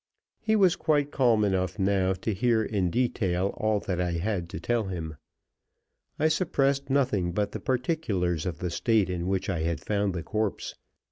He was quite calm enough now to hear in detail all that I had to tell him. I suppressed nothing but the particulars of the state in which I had found the corpse.